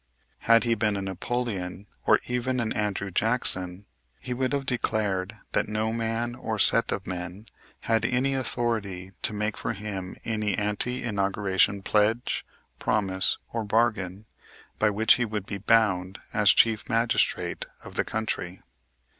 Had he been a Napoleon, or even an Andrew Jackson, he would have declared that no man or set of men had any authority to make for him any ante inauguration pledge, promise, or bargain by which he would be bound as chief magistrate of the country.